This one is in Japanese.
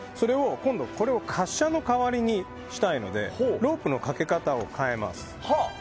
それを滑車の代わりにしたいのでロープのかけ方を変えます。